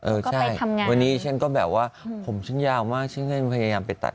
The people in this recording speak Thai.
เออใช่วันนี้ฉันก็แบบว่าผมฉันยาวมากฉันก็ยังพยายามไปตัด